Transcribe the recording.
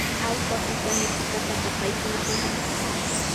Allpapitami tikataqa paykuna ruran.